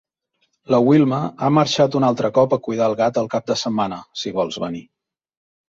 La Wilma ha marxat un altre cop a cuidar el gat el cap de setmana, si vols venir.